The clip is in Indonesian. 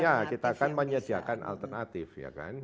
ya kita kan menyediakan alternatif ya kan